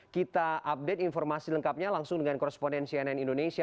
kita update informasi lengkapnya langsung dengan koresponden cnn indonesia